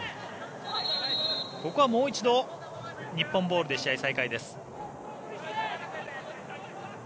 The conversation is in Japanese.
ここはもう一度日本ボールで試合再開です。